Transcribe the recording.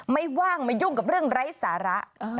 ว่างไม่ยุ่งกับเรื่องไร้สาระ